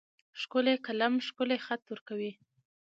ښکلی قلم ښکلی خط ورکوي.